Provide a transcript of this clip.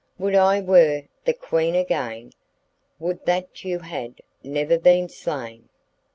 Would I were the Queen again; Would that you had never been slain.